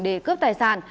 để cướp tài sản